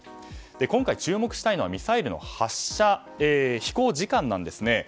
今回注目したいのはミサイルの飛行時間なんですね。